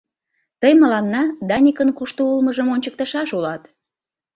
— тый мыланна Даникын кушто улмыжым ончыктышаш улат.